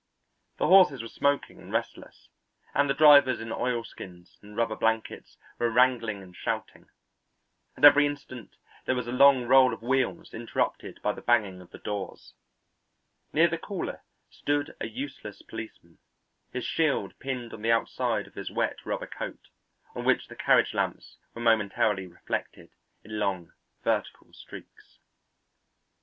The horses were smoking and restless, and the drivers in oilskins and rubber blankets were wrangling and shouting. At every instant there was a long roll of wheels interrupted by the banging of the doors. Near the caller stood a useless policeman, his shield pinned on the outside of his wet rubber coat, on which the carriage lamps were momentarily reflected in long vertical streaks.